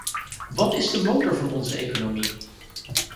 Wat is de motor van onze economie?